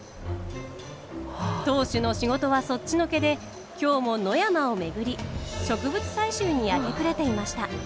当主の仕事はそっちのけで今日も野山を巡り植物採集に明け暮れていました。